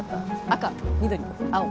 赤緑青？